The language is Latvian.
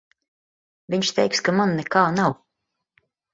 Viņš teiks, ka man nekā nav.